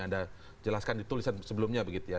anda jelaskan di tulisan sebelumnya begitu ya